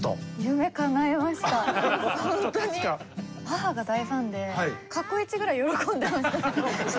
母が大ファンで過去一ぐらい喜んでましたね。